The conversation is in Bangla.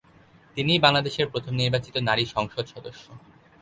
তিনিই বাংলাদেশের প্রথম নির্বাচিত নারী সংসদ সদস্য।